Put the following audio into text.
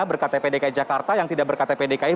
berkat tpdki jakarta yang tidak berkat tpdki